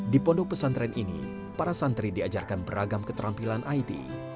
di pondok pesantren ini para santri diajarkan beragam keterampilan it